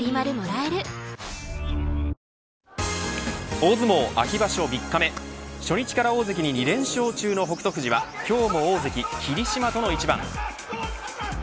大相撲秋場所三日目初日から大関に２連勝中の北勝富士は今日も大関、霧島との一番。